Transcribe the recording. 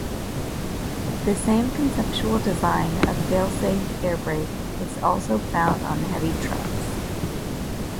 The same conceptual design of fail-safe air brake is also found on heavy trucks.